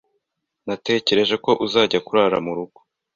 Natekereje ko uza kurara murugo.